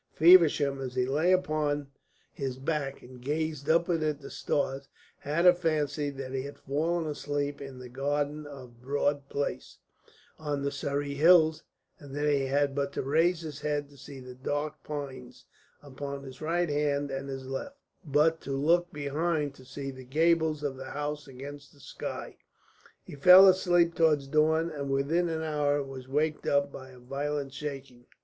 Feversham, as he lay upon his back and gazed upwards at the stars, had a fancy that he had fallen asleep in the garden of Broad Place, on the Surrey hills, and that he had but to raise his head to see the dark pines upon his right hand and his left, and but to look behind to see the gables of the house against the sky. He fell asleep towards dawn, and within an hour was waked up by a violent shaking.